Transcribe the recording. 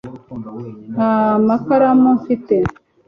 nta makaramu mfite